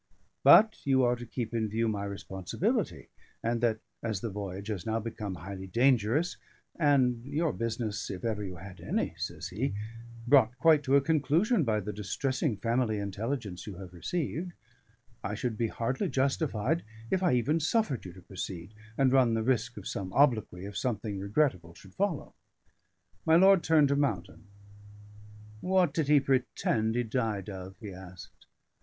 But you are to keep in view my responsibility, and that as the voyage has now become highly dangerous, and your business if you ever had any," says he, "brought quite to a conclusion by the distressing family intelligence you have received, I should be hardly justified if I even suffered you to proceed, and run the risk of some obloquy if anything regrettable should follow." My lord turned to Mountain. "What did he pretend he died of?" he asked.